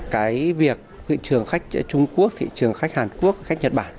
cái việc thị trường khách trung quốc thị trường khách hàn quốc khách nhật bản